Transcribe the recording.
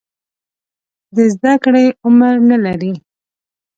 د زده کړې عمر نه لري.